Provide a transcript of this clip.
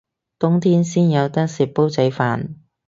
冬天先有得食煲仔飯